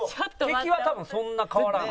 敵は多分そんな変わらん。